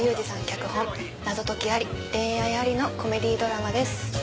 脚本謎解きあり恋愛ありのコメディードラマです。